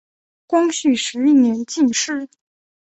光绪十一年进士。